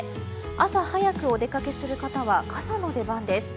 朝早くお出かけする方は傘の出番です。